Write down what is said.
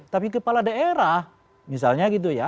tapi kepala daerah misalnya gitu ya